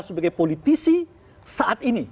sebagai politisi saat ini